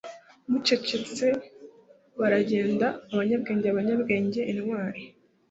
mucecetse baragenda, abanyabwenge, abanyabwenge, intwari